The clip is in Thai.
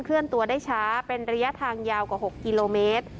เลื่อนตัวได้ช้าเป็นระยะทางยาวกว่า๖กิโลเมตร